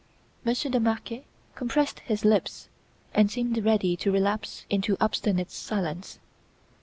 Monsieur de Marquet compressed his lips and seemed ready to relapse into obstinate silence.